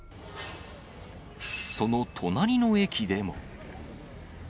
その隣の駅でも。